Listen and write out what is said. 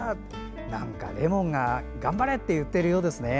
なんか、レモンが頑張れって言っているようですね。